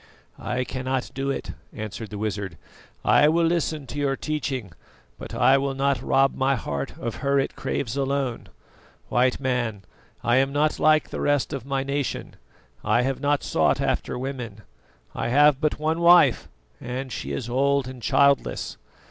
"I cannot do it," answered the wizard. "I will listen to your teaching, but I will not rob my heart of her it craves alone. White Man, I am not like the rest of my nation. I have not sought after women; I have but one wife, and she is old and childless.